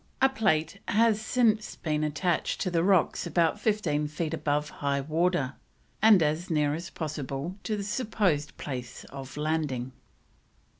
A plate has since been attached to the rocks about fifteen feet above high water, and as near as possible to the supposed place of landing.